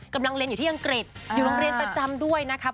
กำลังเรียนอยู่ที่อังกฤษอยู่โรงเรียนประจำด้วยนะครับ